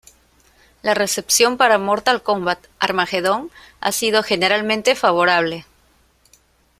La recepción para Mortal Kombat: Armageddon ha sido generalmente favorable.